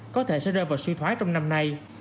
có thể sẽ rơi vào suy thoái trong năm nay